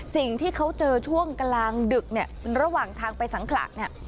สิ่งที่เขาเจอช่วงกลางดึกระหว่างทางไปสังขลาด